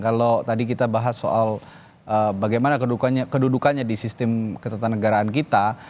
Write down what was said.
kalau tadi kita bahas soal bagaimana kedudukannya di sistem ketatanegaraan kita